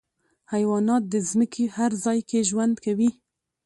حیوانات د ځمکې هر ځای کې ژوند کوي.